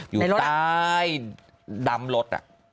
อยู่ใต้ดำรถ